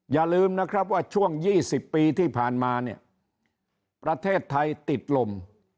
อย่าลืมนะครับว่าช่วง๒๐ปีที่ผ่านมาเนี่ยประเทศไทยติดลม